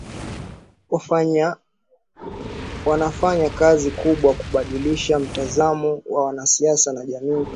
Wanafanya kazi kubwa kubadilisha mtazamo wa wanasiasa na jamii